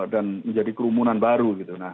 dan menjadi kerumunan baru